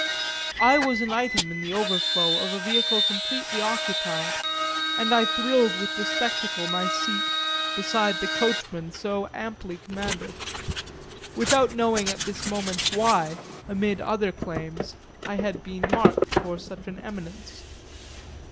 I was an item in the overflow of a vehicle completely occupied, and I thrilled with the spectacle my seat beside the coachman so amply commanded without knowing at this moment why, amid other claims, I had been marked for such an eminence.